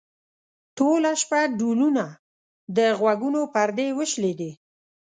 ټوله شپه ډولونه؛ د غوږونو پردې وشلېدې.